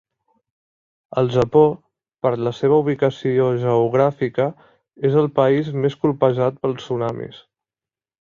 El Japó, per la seva ubicació geogràfica, és el país més colpejat pels tsunamis.